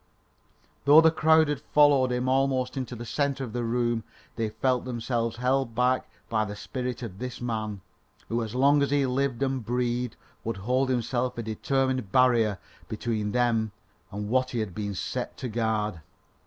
Though the crowd had followed him almost into the centre of the room, they felt themselves held back by the spirit of this man, who as long as he lived and breathed would hold himself a determined barrier between them and what he had been set to guard.